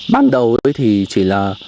bắt đầu thì chỉ là